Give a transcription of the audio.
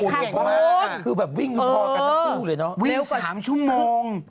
โอ้โฮแก่งมากค่ะคือแบบวิ่งพอกันทั้งคู่เลยเนอะเร็วกว่าวิ่ง๓ชั่วโมง